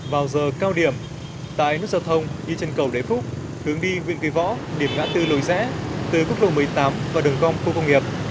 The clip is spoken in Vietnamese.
vào giờ cao điểm tại nút giao thông như trên cầu đế phúc hướng đi viện kỳ võ điểm ngã tư lồi rẽ từ quốc lộ một mươi tám vào đường gom khu công nghiệp